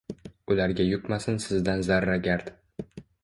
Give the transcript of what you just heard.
Ularga yuqmasin sizdan zarra gard